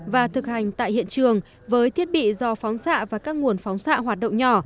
và thực hành tại hiện trường với thiết bị do phóng xạ và các nguồn phóng xạ hoạt động nhỏ